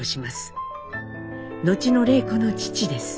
後の礼子の父です。